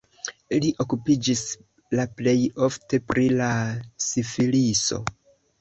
Li okupiĝis la plej ofte pri la sifiliso.